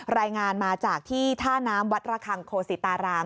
รายงานมาจากที่ท่าน้ำวัดระคังโคสิตาราม